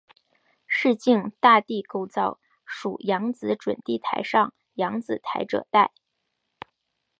市境大地构造属扬子准地台上扬子台褶带。